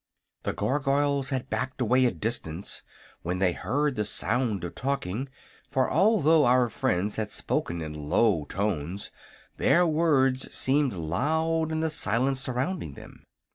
The Gargoyles had backed away a distance when they heard the sound of talking, for although our friends had spoken in low tones their words seemed loud in the silence surrounding them.